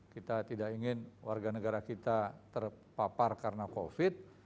kita tidak ingin warga negara kita terpapar karena covid